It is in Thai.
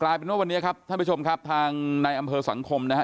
เป็นว่าวันนี้ครับท่านผู้ชมครับทางในอำเภอสังคมนะฮะ